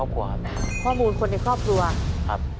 ข้อมูลคนในครอบครัวครับ